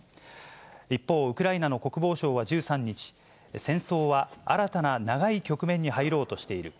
一方、ウクライナの国防相は１３日、戦争は新たな長い局面に入ろうとしている。